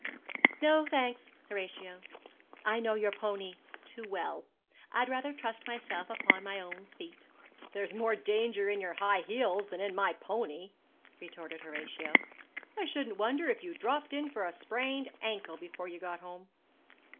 'No, thanks, Horatio; I know your pony too well. I'd rather trust myself upon my own feet.' 'There's more danger in your high heels than in my pony, retorted Horatio. 'I shouldn't wonder if you dropped in for a sprained ankle before you got home.'